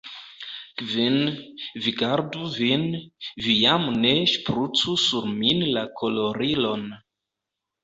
Kvin, vi gardu vin, vi jam ne ŝprucu sur min la kolorilon.